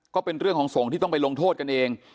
ก็เป็นเรื่องของสงฆ์ที่ต้องไปลงโทษกันเอง